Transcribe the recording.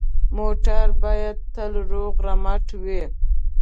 موټر باید تل روغ رمټ وي.